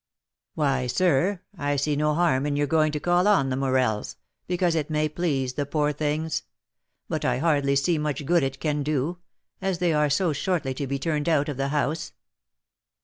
"Why, sir, I see no harm in your going to call on the Morels, because it may please the poor things; but I hardly see much good it can do, as they are so shortly to be turned out of the house."